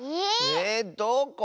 えどこ？